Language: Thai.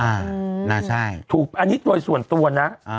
น่าใช่ถูกอันนี้โดยส่วนตัวนะ